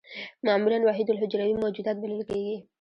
معمولاً وحیدالحجروي موجودات بلل کېږي.